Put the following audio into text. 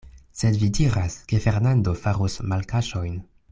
Sed vi diras, ke Fernando faros malkaŝojn.